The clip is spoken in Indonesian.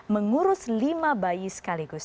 mengurus lima bayi sekaligus